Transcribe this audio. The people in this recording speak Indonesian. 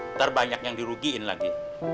ntar banyak yang dirugiin lagi